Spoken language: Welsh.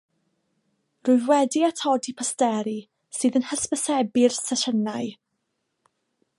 Rwyf wedi atodi posteri sydd yn hysbysebu'r sesiynau